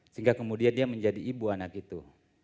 sehingga kemudian dia menjadi ibu anak itu